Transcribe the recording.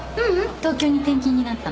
東京に転勤になったの。